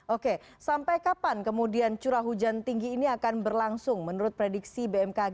oke sampai kapan kemudian curah hujan tinggi ini akan berlangsung menurut prediksi bmkg